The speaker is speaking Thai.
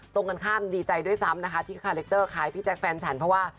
ตรงกันข้ามดีใจด้วยซ้ำนะคะที่คาแรคเตอร์คล้ายพี่แจ๊คแฟนฉันเพราะว่า